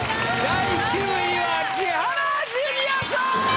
第９位は千原ジュニアさん！